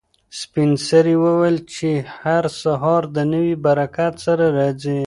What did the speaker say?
سپین سرې وویل چې هر سهار د نوي برکت سره راځي.